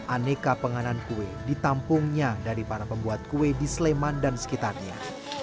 aneka penganan kue ditampungnya dari para pembuat kue di sleman dan sekitarnya